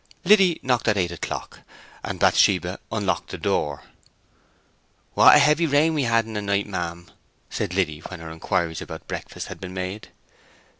Liddy knocked at eight o'clock, and Bathsheba unlocked the door. "What a heavy rain we've had in the night, ma'am!" said Liddy, when her inquiries about breakfast had been made.